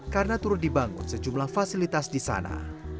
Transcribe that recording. karena turut dibangun sejumlah fasilitas di sana